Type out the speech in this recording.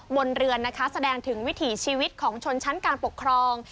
บนเรือนนะคะแสดงถึงวิถีชีวิตของชนชั้นการปกครอง